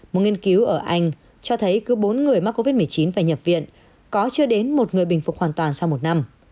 một nghiên cứu ở anh cho thấy cứ bốn người mắc covid một mươi chín phải nhập viện có chưa đến một người bình phục hoàn toàn sau một năm